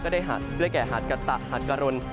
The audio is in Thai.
ก็ได้หาดแค่หาดกะตะหาดกะรน